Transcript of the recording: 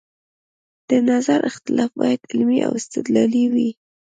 د نظر اختلاف باید علمي او استدلالي وي